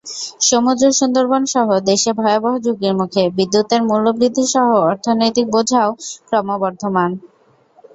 সমুদ্র, সুন্দরবনসহ দেশ ভয়াবহ ঝুঁকির মুখে, বিদ্যুতের মূল্যবৃদ্ধিসহ অর্থনীতির বোঝাও ক্রমবর্ধমান।